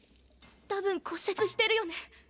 多分骨折してるよね？